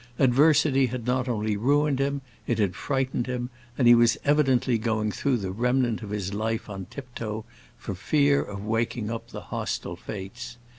Adversity had not only ruined him, it had frightened him, and he was evidently going through his remnant of life on tiptoe, for fear of waking up the hostile fates.